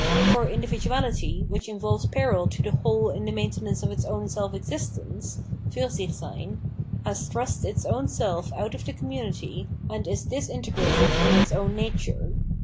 For individuality, which involves peril to the whole in the maintenance of its own self existence (Fursichseyn), has thrust its own self out of the community, and is disintegrated in its own nature.